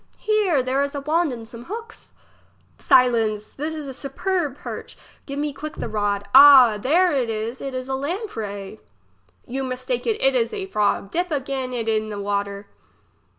Here, there is a wand and some hooks. Silence ! there is a superb perch ! Give me quick the rod. Ah ! there is, it is a lamprey. You mistake you, it is a frog ! dip again it in the water.